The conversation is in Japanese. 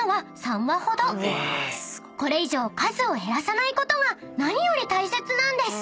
［これ以上数を減らさないことが何より大切なんです］